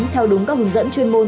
theo đúng các hướng dẫn chuyên môn